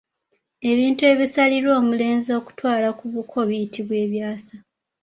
Ebintu ebisalirwa omulenzi okutwala ku buko biyitibwa Ebyasa.